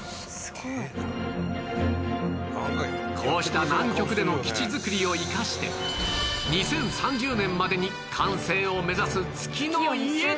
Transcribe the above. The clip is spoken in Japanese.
こうした南極での基地づくりを生かして２０３０年までに完成を目指す月の家とは